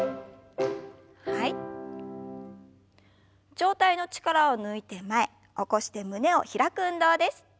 上体の力を抜いて前起こして胸を開く運動です。